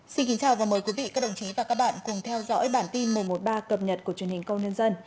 xin kính chào và mời quý vị các đồng chí và các bạn cùng theo dõi bản tin một trăm một mươi ba cập nhật của truyền hình công nhân